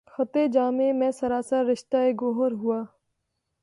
خطِ جامِ مے سراسر، رشتہٴ گوہر ہوا